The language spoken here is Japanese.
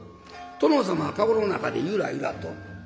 殿様かごの中でゆらゆらと。